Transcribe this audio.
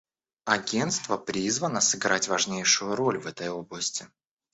Агентство призвано сыграть важнейшую роль в этой области.